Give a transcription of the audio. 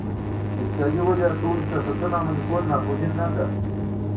د اقتصادي ودې هڅولو سیاستونه عملي کول ناپوهي نه ده.